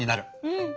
うん！